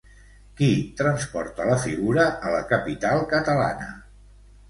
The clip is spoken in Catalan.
Qui transporta la figura a la capital catalana?